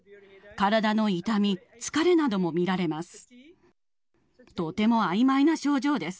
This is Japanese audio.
体の痛み、疲れなども見られます。